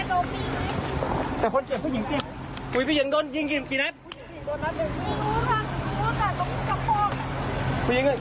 แต่คนเจ็บผู้หญิงคุยผู้หญิงโดนยิงกี่นัด